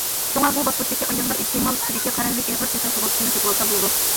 شۇڭا بۇ باسقۇچتىكى ئاياللار ئىستېمال تىپىدىكى قەرەللىك ئېغىر كېسەل سۇغۇرتىسىنى سېتىۋالسا بولىدۇ.